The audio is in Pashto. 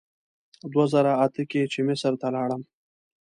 دوه زره اته کې چې مصر ته لاړم.